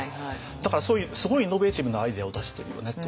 だからそういうすごいイノベーティブなアイデアを出してるよねと思いますね。